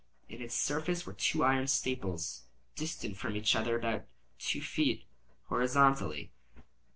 In its surface were two iron staples, distant from each other about two feet, horizontally.